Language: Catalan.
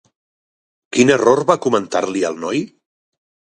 Quin error va comentar-li al noi?